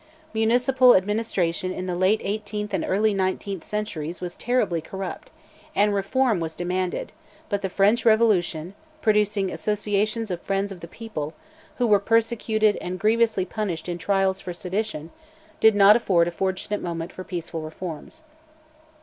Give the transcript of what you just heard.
Municipal administration in the late eighteenth and early nineteenth centuries was terribly corrupt, and reform was demanded, but the French Revolution, producing associations of Friends of the People, who were prosecuted and grievously punished in trials for sedition, did not afford a fortunate moment for peaceful reforms.